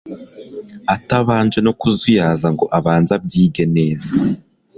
atabanje no kuzuyaza ngo abanze abyige neza